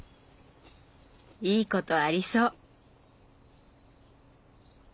いいことありそう。